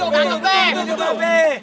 banget ya pape